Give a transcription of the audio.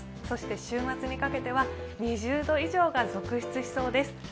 そして週末にかけては２０度以上が続出しそうです。